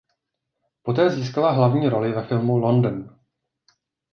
Poté získala hlavní roli ve filmu "London".